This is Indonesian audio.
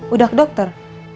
udah ke dokter